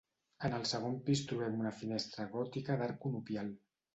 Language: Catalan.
En el segon pis trobem una finestra gòtica d'arc conopial.